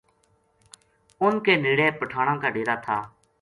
اُنھ کے نیڑے پٹھاناں کا ڈیرا تھا